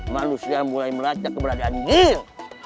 manusia mulai melacak keberadaan jil